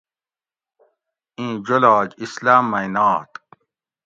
ایں جولاگ اسلام مئی نات